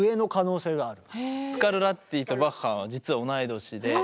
スカルラッティとバッハは実は同い年で。